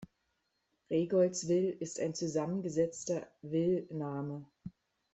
Reigoldswil ist ein zusammengesetzter "-wil"-Name.